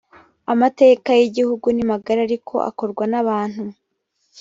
amateka y’igihugu ni magari ariko akorwa n’abantu